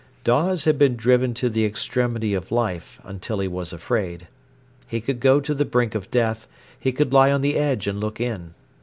Dawes had been driven to the extremity of life, until he was afraid. He could go to the brink of death, he could lie on the edge and look in.